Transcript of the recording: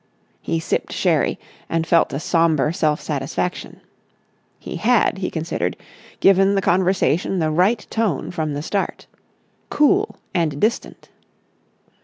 He sipped sherry and felt a sombre self satisfaction. He had, he considered, given the conversation the right tone from the start. Cool and distant.